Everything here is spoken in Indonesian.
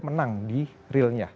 menang di realnya